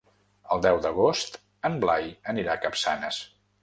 El deu d'agost en Blai anirà a Capçanes.